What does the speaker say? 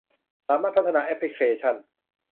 สามารถพัฒนาแอปพลิเคชัน